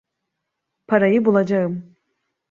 Parayı bulacağım.